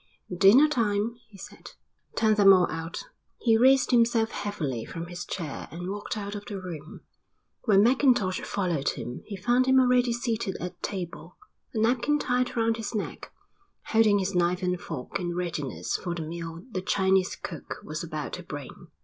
"Dinner time," he said. "Turn them all out." He raised himself heavily from his chair and walked out of the room. When Mackintosh followed him he found him already seated at table, a napkin tied round his neck, holding his knife and fork in readiness for the meal the Chinese cook was about to bring.